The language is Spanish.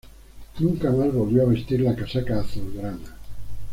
Nunca más volvió a vestir la casaca azulgrana.